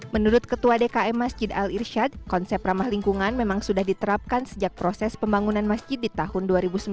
menurut ketua dkm masjid al irsyad konsep ramah lingkungan memang sudah diterapkan sejak proses pembangunan masjid di tahun dua ribu sembilan belas